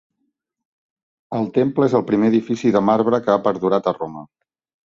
El temple és el primer edifici de marbre que ha perdurat a Roma.